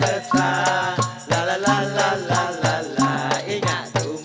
ฮรีรายโยแท่เดิมบินแบบสาอิงหาดูหมอ